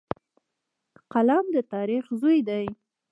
قلم د تاریخ زوی دی